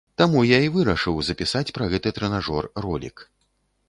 Таму я і вырашыў запісаць пра гэты трэнажор ролік.